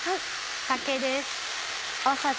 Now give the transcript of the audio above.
酒です。